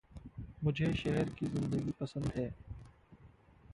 मुझे शहर की ज़िन्दगी पसंद है।